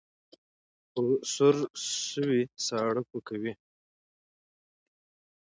ـ په سور سوى، ساړه پو کوي.